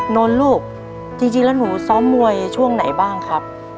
นนท์ลูกจริงแล้วหนูซ้อมมวยช่วงไหนบ้างครับ